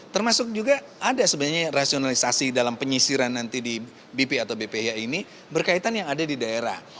termasuk juga ada sebenarnya rasionalisasi dalam penyisiran nanti di bp atau bpih ini berkaitan yang ada di daerah